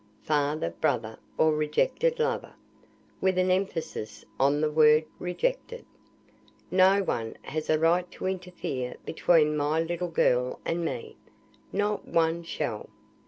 "Father, brother, or rejected lover" (with an emphasis on the word rejected), "no one has a right to interfere between my little girl and me. No one shall.